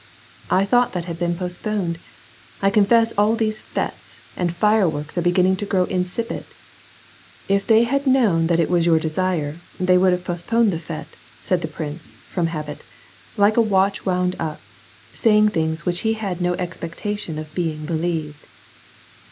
"I thought that had been postponed. I confess all these fetes and fireworks are beginning to grow insipid !" "If they had known that it was your desire, they would have postponed the fete" said the prince, from habit, like a watch wound up, saying things which he hsid no expectation of being believed.